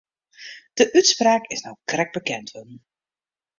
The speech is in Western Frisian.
De útspraak is no krekt bekend wurden.